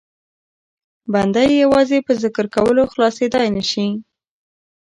بنده یې یوازې په ذکر کولو خلاصېدای نه شي.